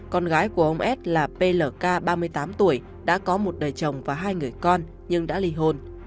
con gái của ông s là plk ba mươi tám tuổi đã có một đời chồng và hai người con nhưng đã ly hôn